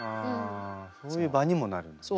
あそういう場にもなるんですね。